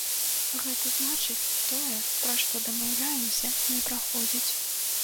Гэта значыць, тое, пра што дамаўляемся, не праходзіць.